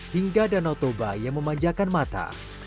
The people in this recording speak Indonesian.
hingga danau toba yang memanjakan mata